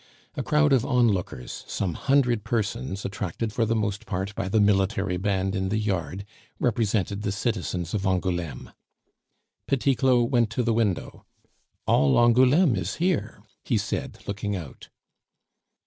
A crowd of onlookers, some hundred persons, attracted for the most part by the military band in the yard, represented the citizens of Angouleme. Petit Claud went to the window. "All Angouleme is here," he said, looking out.